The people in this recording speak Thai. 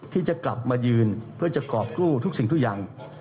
ที่จะกลับมายืนเพื่อจะกรอบกู้ทุกสิ่งทุกอย่าง